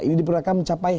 ini diperkirakan mencapai